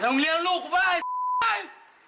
แล้วต้องเลี้ยงลูกกูเปล่าไอ้